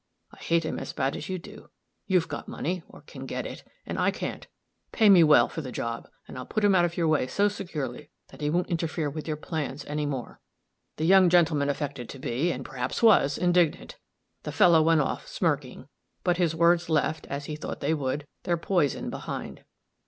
I hate him as bad as you do; you've got money, or can get it, and I can't. Pay me well for the job, and I'll put him out of your way so securely that he won't interfere with your plans any more.' The young gentleman affected to be, and perhaps was, indignant. The fellow went off, smirking; but his words left, as he thought they would, their poison behind.